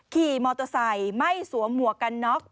ขี่มอเตอร์ไซค์ไม่สวมหมวกกันน็อก